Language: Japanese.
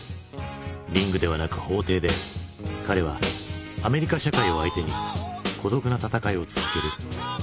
リングではなく法廷で彼はアメリカ社会を相手に孤独な闘いを続ける。